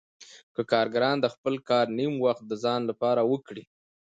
که کارګران د خپل کار نیم وخت د ځان لپاره وکړي